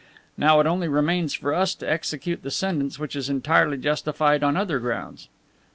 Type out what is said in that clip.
Now it only remains for us to execute the sentence which is entirely justified on other grounds."